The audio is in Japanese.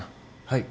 はい。